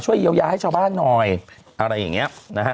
เยียวยาให้ชาวบ้านหน่อยอะไรอย่างเงี้ยนะฮะ